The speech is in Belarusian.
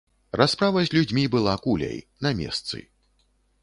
Расправа з людзьмі была куляй, на месцы.